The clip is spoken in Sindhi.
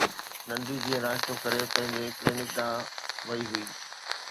ننڍي ڌيءَ ناشتو ڪري پنهنجي ڪلينڪ ڏانهن وئي هئي